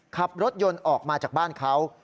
ขับรถยนต์ออกมาจากบ้านเขา